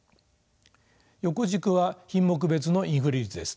横軸は品目別のインフレ率です。